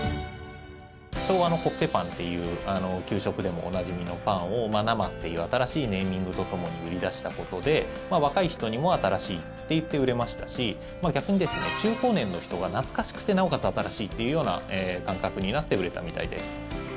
昭和のコッペパンっていう給食でもおなじみのパンを「生」っていう新しいネーミングとともに売り出したことで若い人にも新しいっていって売れましたし逆に中高年の人が懐かしくてなおかつ新しいというような感覚になって売れたみたいです。